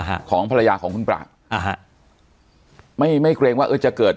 ฮะของภรรยาของคุณปราบอ่าฮะไม่ไม่เกรงว่าเออจะเกิด